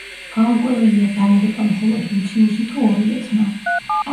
გაურკვეველია, დაიღუპა მხოლოდ ლუციუსი თუ ორივე ძმა.